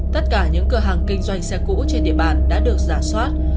tất cả những cửa hàng kinh doanh xe cũ trên địa bàn đã được giả soát